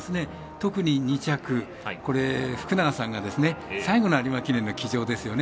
特に２着、福永さんが最後の有馬記念の騎乗ですよね。